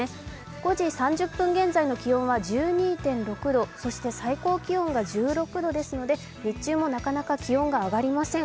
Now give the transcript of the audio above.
５時３０分現在の気温は１２．６度そして最高気温が１６度ですので、日中もなかなか気温が上がりません。